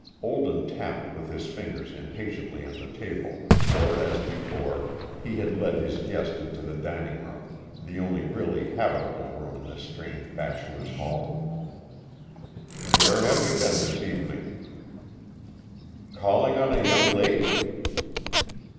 Olden tapped with his fingers impatiently on the table, for, as before, he had led his guest into the dining room, the only really habitable room in this strange Bachelor's Hall. "Where have you been this evening?" "Calling on a young lady!"